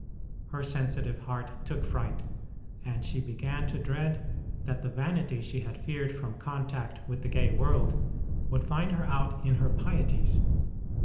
Her sensitive heart took fright, and she began to dread that the vanity she had feared from contact with the gay world would find her out in her pieties.